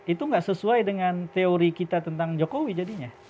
itu gak sesuai dengan teori kita tentang jokowi jadinya